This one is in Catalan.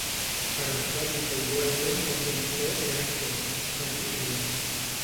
Però va dir que igualment no havia entès gran cosa –va dir rient–.